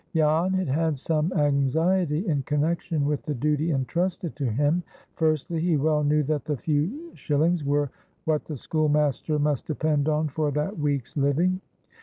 Jan had had some anxiety in connection with the duty intrusted to him. Firstly, he well knew that the few shillings were what the schoolmaster must depend on for that week's living.